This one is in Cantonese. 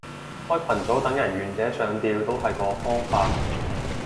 開群組等人願者上釣都係個方法